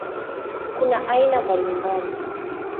Kuna aina mbalimbali.